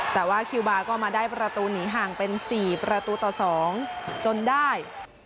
แต่ว่าคิวบาร์ก็มาได้ประตูหนีห่างเป็น๔ประตูต่อ๒จนได้